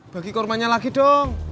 bagi kormanya lagi dong